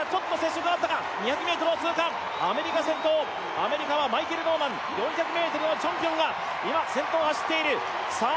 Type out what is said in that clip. アメリカはマイケル・ノーマン４００ｍのチャンピオンが今先頭を走っているさあ